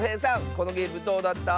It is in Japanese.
このゲームどうだった？